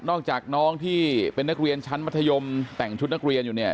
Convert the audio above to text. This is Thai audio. อกจากน้องที่เป็นนักเรียนชั้นมัธยมแต่งชุดนักเรียนอยู่เนี่ย